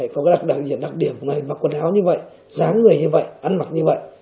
có đặc diện đặc điểm mặc quần áo như vậy dáng người như vậy ăn mặc như vậy